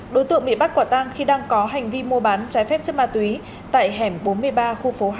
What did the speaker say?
đối tượng bị bắt quả tang khi đang có hành vi mua bán trái phép chất ma túy tại hẻm bốn mươi ba khu phố hai